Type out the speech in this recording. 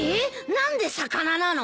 何で魚なの？